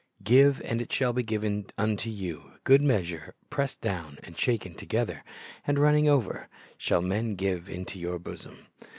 "Give, and it shall be given unto you ; good measure, pressed down, and shaken together, and running over, shall men give into your bosom.